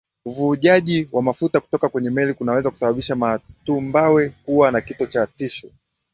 Uvujaji wa mafuta kutoka kwenye meli kunaweza kusababisha matumbawe kuwa na kifo cha tishu